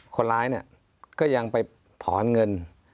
คนร้ายก็ยังไปถอนเงิน